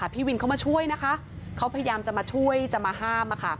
พี่วินเขามาช่วยนะคะเขาพยายามจะมาช่วยจะมาห้าม